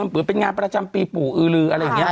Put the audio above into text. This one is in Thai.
เหมือนเป็นงานประจำปีปู่อือลืออะไรอย่างนี้